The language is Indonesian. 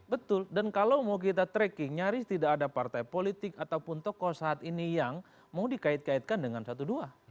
betul dan kalau mau kita tracking nyaris tidak ada partai politik ataupun tokoh saat ini yang mau dikait kaitkan dengan satu dua